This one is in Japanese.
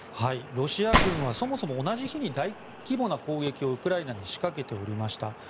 ロシア軍はそもそも同じ日に大規模な攻撃をウクライナに仕掛けておりました。